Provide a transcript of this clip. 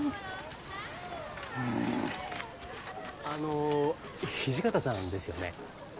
あの土方さんですよね？